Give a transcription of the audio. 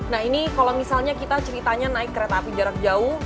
nah ini kalau misalnya kita ceritanya naik kereta api jarak jauh